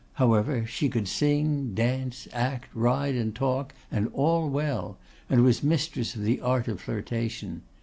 However, she could sing, dance, act, ride, and talk, and all well; and was mistress of the art of flirtation.